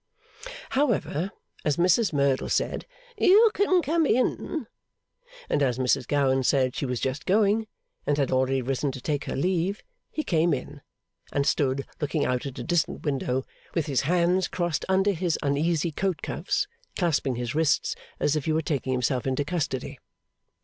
However, as Mrs Merdle said, 'You can come in!' and as Mrs Gowan said she was just going, and had already risen to take her leave, he came in, and stood looking out at a distant window, with his hands crossed under his uneasy coat cuffs, clasping his wrists as if he were taking himself into custody.